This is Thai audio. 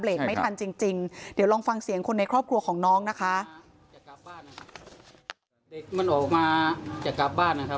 จริงจริงเดี๋ยวลองฟังเสียงคนในครอบครัวของน้องนะคะ